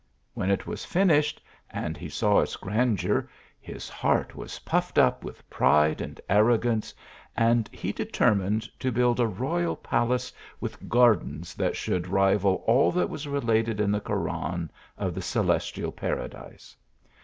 When it was finished, and he saw its grandeur, his heart was puffed up with pride and arrogance, and he determined to build a royal pal ace, with gardens that should rival all that was re lated in the Koran of the celestial paradise.